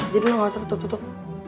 jadi lo gausah tutup tutup